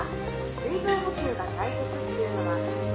水分補給が大切っていうのは」